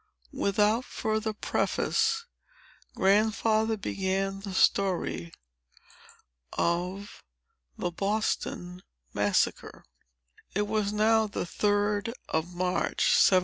Without further preface, Grandfather began the story of THE BOSTON MASSACRE It was now the 3d of March, 1770.